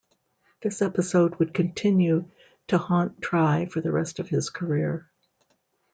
This episode would continue to haunt Try for the rest of his career.